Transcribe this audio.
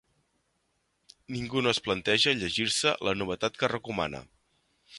Ningú no es planteja llegir-se la novetat que recomana.